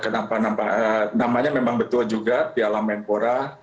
kenapa namanya memang betul juga piala menpora